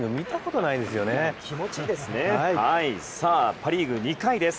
パ・リーグは２回です。